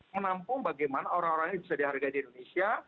menampung bagaimana orang orang ini bisa dihargai di indonesia